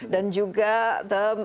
dan juga ada